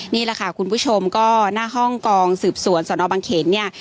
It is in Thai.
นี่แหละค่ะคุณผู้ชมก็หน้าห้องกองสืบสวนสนบังเขนเนี่ย